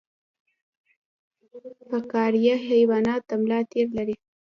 فقاریه حیوانات د ملا تیر لري